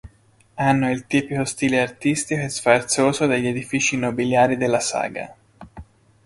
Hanno il tipico stile artistico e sfarzoso degli edifici nobiliari della saga.